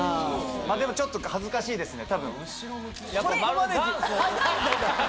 でもちょっと恥ずかしいですね。